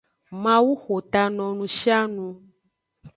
Mawu xo ta no nushianu.